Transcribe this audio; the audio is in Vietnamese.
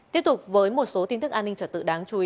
tiếp tục với một số tin thức an ninh trở tự đáng chú ý